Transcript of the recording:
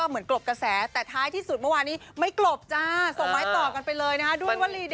มีเกษตรมาที่สุดกลบกันไปเลยนะด้วยวันนี้